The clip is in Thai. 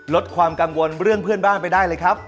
ลดความกังวลเรื่องเพื่อนบ้านไปได้เลยครับ